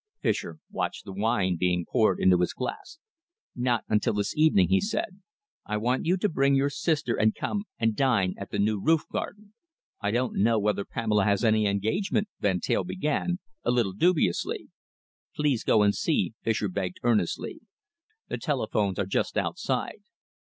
Fischer watched the wine being poured into his glass. "Not until this evening," he said. "I want you to bring your sister and come and dine at the new roof garden." "I don't know whether Pamela has any engagement," Van Teyl began, a little dubiously. "Please go and see," Fischer begged earnestly. "The telephones are just outside.